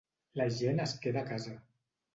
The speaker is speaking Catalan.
La gent es queda a casa.